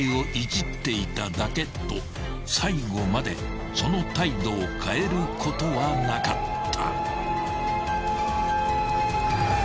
［と最後までその態度を変えることはなかった］